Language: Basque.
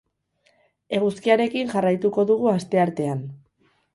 Eguzkiarekin jarraituko dugu asteartean.